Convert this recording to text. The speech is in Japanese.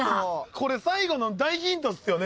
これ最後の大ヒントっすよね。